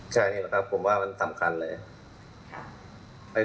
ใช่นี่แหละครับผมว่ามันสำคัญเลย